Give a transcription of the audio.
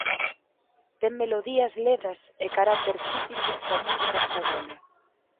Ten melodías ledas e carácter típico da música española.